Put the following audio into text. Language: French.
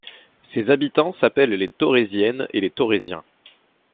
Ses habitants s'appellent les Thorésiennes et les Thorésiens.